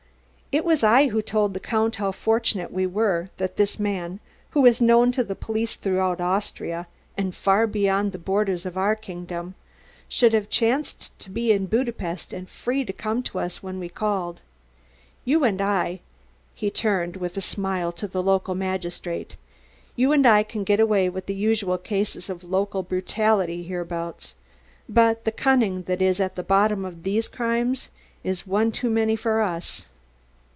"It was I who told the Count how fortunate we were that this man, who is known to the police throughout Austria and far beyond the borders of our kingdom, should have chanced to be in Budapest and free to come to us when we called. You and I" he turned with a smile to the local magistrate "you and I can get away with the usual cases of local brutality hereabouts. But the cunning that is at the bottom of these crimes is one too many for us."